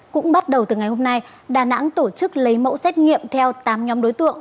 cũng bắt đầu từ ngày hôm nay đà nẵng tổ chức lấy mẫu xét nghiệm theo tám nhóm đối tượng